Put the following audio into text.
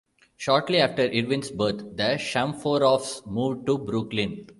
Shortly after Irwin's birth, the Shamforoffs moved to Brooklyn.